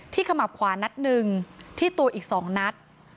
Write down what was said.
ขมับขวานัดหนึ่งที่ตัวอีก๒นัด